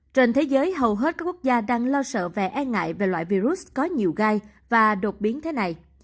trên thế giới hầu hết các quốc gia đang lo sợ về e ngại về loại virus có nhiều gai và đột biến thế này